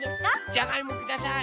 じゃがいもください。